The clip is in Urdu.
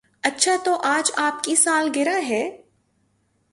اچھا تو آج آپ کی سالگرہ ہے